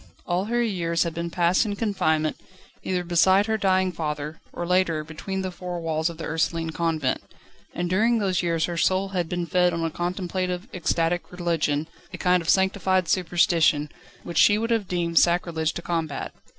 All her years had been passed in confinement, either beside her dying father or, later, between the four walls of the Ursuline Convent. And during those years her soul had been fed on a contemplative, ecstatic religion, a kind of sanctified superstition, which she would have deemed sacrilege to combat.